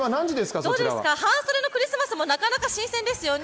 半袖のクリスマスもなかなか新鮮ですよね。